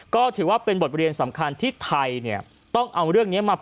ก็ถือว่าเป็นบทเรียนสำคัญที่ไทยเนี่ยต้องเอาเรื่องนี้มา